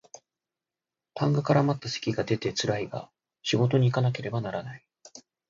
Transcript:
痰が絡まった咳が出てつらいが仕事にいかなければならない